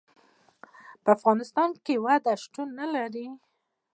په افغانستان کې وادي شتون لري.